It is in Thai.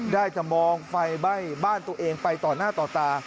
ได้จะมองไฟไหม้บ้านตัวเองไปต่อหน้าต่อตา